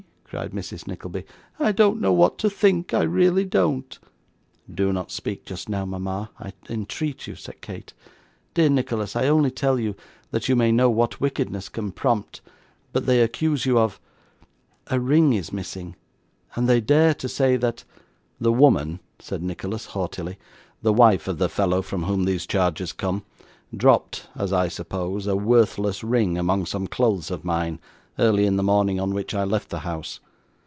cried Mrs. Nickleby, 'I don't know what to think, I really don't.' 'Do not speak just now, mama, I entreat you,' said Kate. 'Dear Nicholas, I only tell you, that you may know what wickedness can prompt, but they accuse you of a ring is missing, and they dare to say that ' 'The woman,' said Nicholas, haughtily, 'the wife of the fellow from whom these charges come, dropped as I suppose a worthless ring among some clothes of mine, early in the morning on which I left the house.